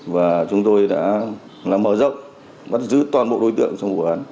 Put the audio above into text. và chúng tôi đã mở rộng bắt giữ toàn bộ đối tượng trong vụ án